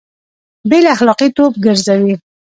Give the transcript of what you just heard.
بې له اخلاقي توب ګرځوي